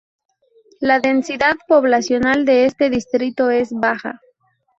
La densidad poblacional de este distrito es baja.